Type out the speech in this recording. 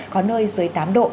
có nơi dưới tám độ